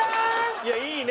いや「いいね」